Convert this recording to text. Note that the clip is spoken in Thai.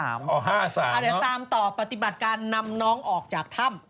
เดี๋ยวตามต่อปฏิบัติการนำน้องออกจากถ้ำ